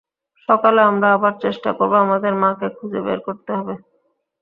সকালে, আমরা আবার চেষ্টা করব আমাদের মাকে খুঁজে বের করতে হবে।